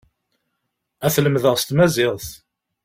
Ad t-lemdeɣ s tmaziɣt.